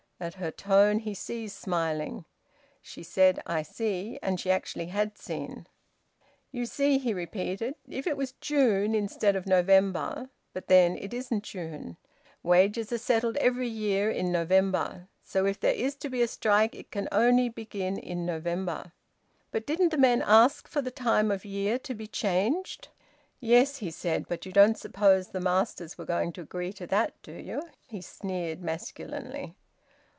At her tone he ceased smiling. She said "I see," and she actually had seen. "You see," he repeated. "If it was June instead of November! But then it isn't June. Wages are settled every year in November. So if there is to be a strike it can only begin in November." "But didn't the men ask for the time of year to be changed?" "Yes," he said. "But you don't suppose the masters were going to agree to that, do you?" He sneered masculinely.